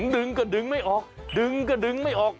ดึงก็ดึงไม่ออกดึงก็ดึงไม่ออก